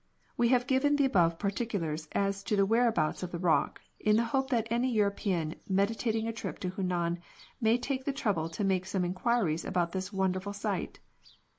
We have given the above particulars as to the whereabouts of the rock, in the hope that any European meditating a trip into Hunan may take the trouble to make some inquiries about this wonder ful sight.